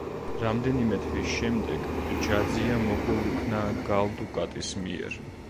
რამდენიმე თვის შემდეგ ჯაძია მოკლულ იქნა გალ დუკატის მიერ.